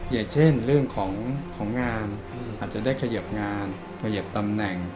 อย่างเช่นเรื่องของงานอาจจะได้เขยิบงานเขยิบตำแหน่ง